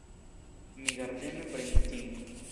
Mi gardeme premis ĝin.